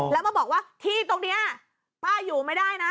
แล้วมาบอกว่าที่ตรงนี้ป้าอยู่ไม่ได้นะ